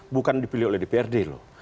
bukan dipilih oleh dprd loh